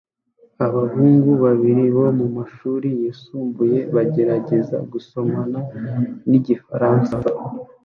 Abahungu babiri bo mumashuri yisumbuye bagerageza gusomana nigifaransa